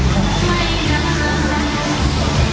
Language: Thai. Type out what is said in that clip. สุดท้ายสุดท้ายสุดท้าย